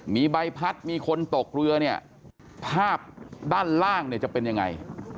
มีใบพัดมีคนตกเรือเนี่ยภาพด้านล่างเนี่ยจะเป็นยังไง